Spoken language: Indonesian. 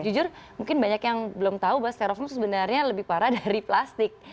jujur mungkin banyak yang belum tahu bahwa sterofoam sebenarnya lebih parah dari plastik